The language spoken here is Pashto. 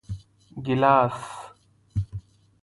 🍒 ګېلاس